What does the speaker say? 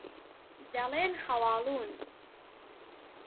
دەڵێن خەواڵوون.